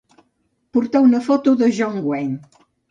Portar una foto de John Wayne.